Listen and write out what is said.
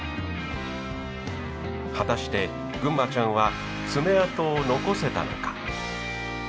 果たしてぐんまちゃんは爪痕を残せたのか。